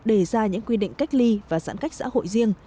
để ra những quy định cách ly và giãn cách xã hội riêng